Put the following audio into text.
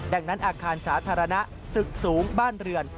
ดังนั้นอาคารสาธารณะตึกสูงบ้านเรือน